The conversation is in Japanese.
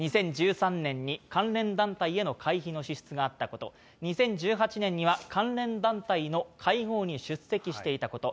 ２０１３年に関連団体への会費の支出があったこと、２０１８年には関連団体の会合に出席していたこと。